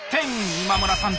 今村さん